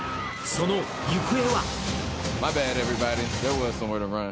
その行方は？